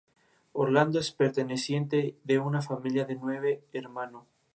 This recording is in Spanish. Orlando es perteneciente de una familia de nueve hermano.